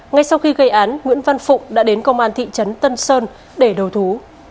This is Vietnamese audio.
ngay sau khi gây án nguyễn văn phụng đã đến công an thị trấn tân sơn để đầu thú